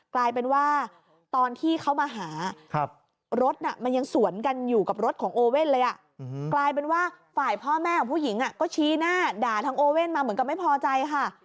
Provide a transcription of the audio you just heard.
กลายเป็นว่าตอนที่เขามาหารถมันยังสวนกันอยู่กับรถของโอเว่นเลย